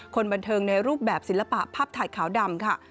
คนบันเทิงในรูปแบบศิลปะภาพถ่ายขาวดำค่ะ